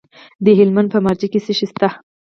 د هلمند په مارجه کې څه شی شته؟